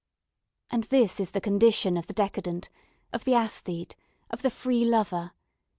And this is the condition of the decadent, of the aesthete, of the free lover.